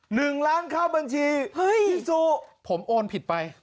หนึ่งล้านเข้าบัญชีเฮ้ยพี่สู้ผมโอนผิดไป